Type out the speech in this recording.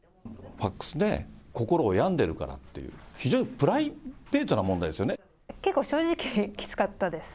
ファックスで、心を病んでるからっていう、非常にプライベートな結構、正直きつかったです。